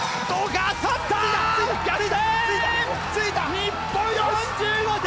日本、４５点！